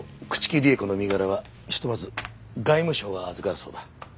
朽木里江子の身柄はひとまず外務省が預かるそうだ。